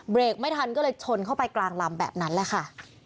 ไม่ทันก็เลยชนเข้าไปกลางลำแบบนั้นแหละค่ะ